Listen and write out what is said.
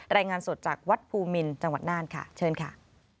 รายงานสดจากวัดภูมินจังหวัดน่านค่ะเชิญค่ะ